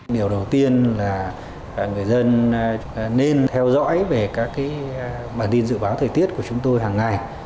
điều đầu tiên là người dân nên theo dõi về các bản tin dự báo thời tiết của chúng tôi hàng ngày